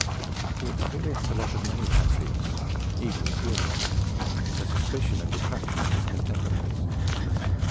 He experienced the lot of many patriots, even the purest the suspicion and detraction of his contemporaries.